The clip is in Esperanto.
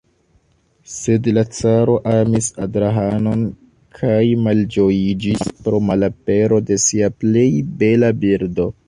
Sed la caro amis Adrahanon kaj malĝojiĝis pro malapero de sia plej bela birdo.